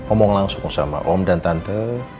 omong langsung sama om dan tante